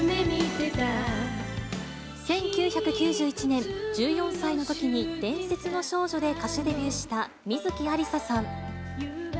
１９９１年、１４歳のときに伝説の少女で歌手デビューした観月ありささん。